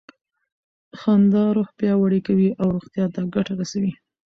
خندا روح پیاوړی کوي او روغتیا ته ګټه رسوي.